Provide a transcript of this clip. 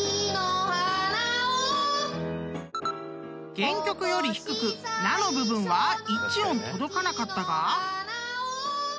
［原曲より低く「な」の部分は１音届かなかったが］